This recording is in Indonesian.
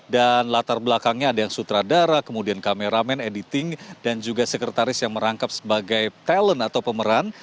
dan latar belakangnya ada yang sutradara kemudian kameramen editing dan juga sekretaris yang merangkap sebagai talent atau pemeran